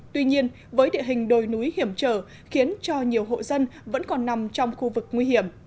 tuy nhiên với địa hình đồi núi hiểm trở khiến cho nhiều hộ dân vẫn còn nằm trong khu vực nguy hiểm